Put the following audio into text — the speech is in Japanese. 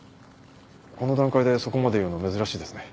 この段階でそこまで言うの珍しいですね。